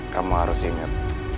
kamu harus inget